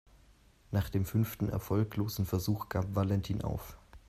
Nach dem fünften erfolglosen Versuch gab Valentin auf.